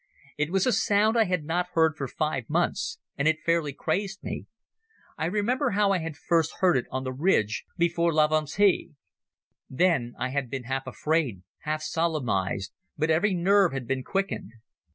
It was a sound I had not heard for five months, and it fairly crazed me. I remembered how I had first heard it on the ridge before Laventie. Then I had been half afraid, half solemnized, but every nerve had been quickened.